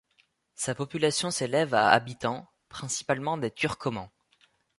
Sa population s'élève à habitants, principalement des Turcomans.